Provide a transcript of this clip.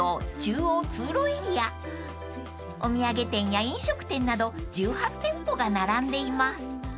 ［お土産店や飲食店など１８店舗が並んでいます］